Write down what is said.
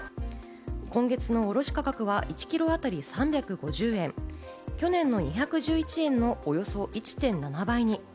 今月の卸価格は１キロ当たり３５０円、去年の２１１円のおよそ１．７倍に。